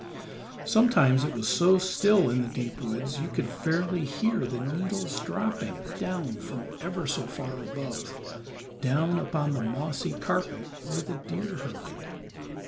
Sometimes it was so still in the deep woods you could fairly hear the needles dropping down from ever so far above, down upon the mossy carpet where the deer herded.